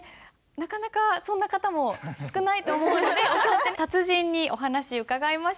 なかなかそんな方も少ないと思うので達人にお話伺いましょう。